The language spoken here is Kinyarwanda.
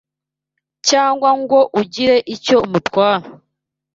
cyangwa ngo ugire icyo umutwara